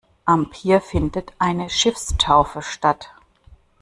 Am Pier findet eine Schiffstaufe statt.